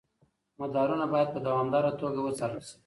مدارونه باید په دوامداره توګه وڅارل شي.